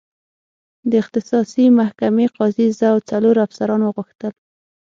د اختصاصي محکمې قاضي زه او څلور افسران وغوښتل.